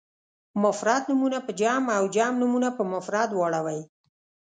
مفرد نومونه په جمع او جمع نومونه په مفرد واړوئ.